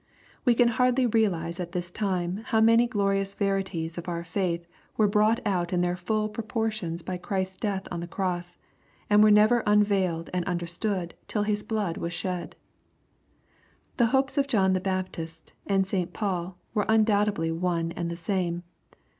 We can hardly realize at this time how many glorious verities of our faith were brought out in their full proportions by Christ's death on the cross, and were never unveiled and understood till His blood was shed. The hopes of John the Baptist and St. Paul were un doubtedly one and the same.